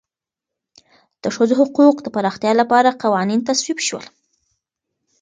د ښځو حقوقو د پراختیا لپاره قوانین تصویب شول.